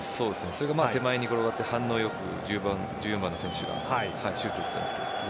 それが手前に転がって反応良く１４番の選手がシュートを打ったんですが。